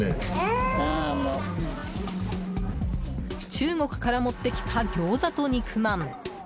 中国から持ってきたギョーザと肉まん。